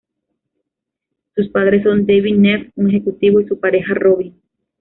Sus padres son David Neff, un ejecutivo, y su pareja Robin.